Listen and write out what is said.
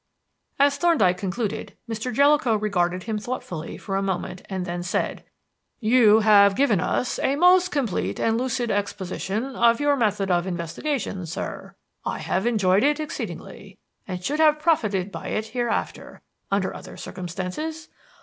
As Thorndyke concluded, Mr. Jellicoe regarded him thoughtfully for a moment and then said: "You have given us a most complete and lucid exposition of your method of investigation, sir. I have enjoyed it exceedingly, and should have profited by it hereafter under other circumstances.